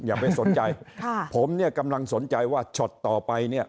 อย่าไปสนใจค่ะผมเนี่ยกำลังสนใจว่าช็อตต่อไปเนี่ย